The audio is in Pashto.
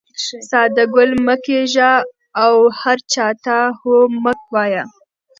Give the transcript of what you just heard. ساده ګل مه کېږه او هر چا ته هو مه وایه.